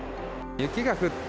雪が降って、